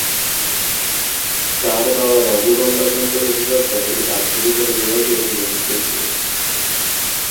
তার বাবা বাবু গঙ্গা কান্ত মুখোপাধ্যায় রাজ্য বিচার বিভাগে নিযুক্ত ছিলেন।